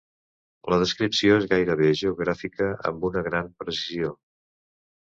La descripció és gairebé geogràfica amb una gran precisió.